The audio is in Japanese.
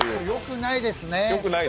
よくないですね。